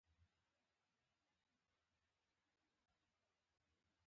فلم د تعلیم مرسته کوي